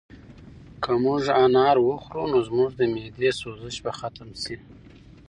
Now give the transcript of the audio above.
که موږ انار وخورو نو زموږ د معدې سوزش به ختم شي.